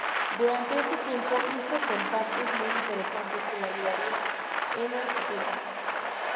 Durante este tiempo hizo contactos muy interesantes que le ayudarían en el futuro.